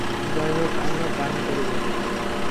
যাই হোক, আমরা পান করব।